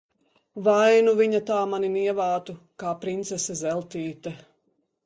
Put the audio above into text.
Vai nu viņa tā mani nievātu, kā princese Zeltīte!